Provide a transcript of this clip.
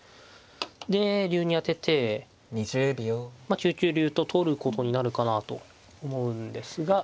で竜に当てて９九竜と取ることになるかなと思うんですが。